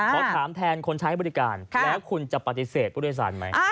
ขอถามแทนคนใช้บริการแล้วคุณจะปฏิเสธผู้โดยสารไหม